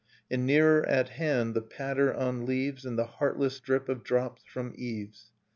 And nearer at hand the patter on leaves And the heartless drip of drops from eaves.